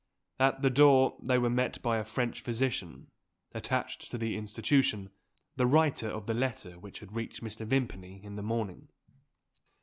At the door they were met by a French physician, attached to the institution the writer of the letter which had reached Mr. Vimpany in the morning.